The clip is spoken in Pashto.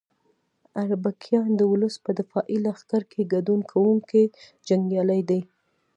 اربکیان د ولس په دفاعي لښکر کې ګډون کوونکي جنګیالي دي.